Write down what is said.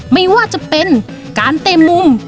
ไม่ว่าจะเป็นการเต็มมุม